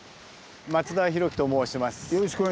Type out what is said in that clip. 松田博貴と申します。